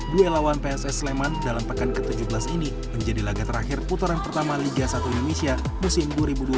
duel lawan pss sleman dalam pekan ke tujuh belas ini menjadi laga terakhir putaran pertama liga satu indonesia musim dua ribu dua puluh tiga dua ribu dua puluh empat